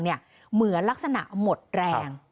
เหมือนลักษณะหมดแรง